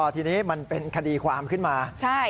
ทีนี้มันเป็นคดีความขึ้นมา